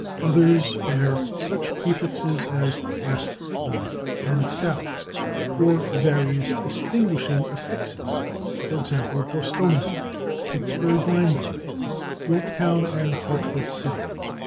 Others bear such prefixes as /West/, /North/ and /South/, or various distinguishing affixes, /e. g./, /Bostonia/, /Pittsburgh Landing/, /Yorktown/ and /Hartford City